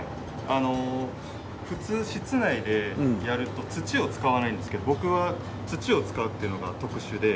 あの普通室内でやると土を使わないんですけど僕は土を使うっていうのが特殊で。